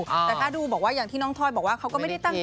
แต่ถ้าดูอย่างที่ท่อยบอกว่าเค้าก็ไม่ได้ตั้งใจ